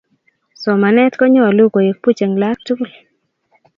somanee ko nyoluu koek buch en laak tukul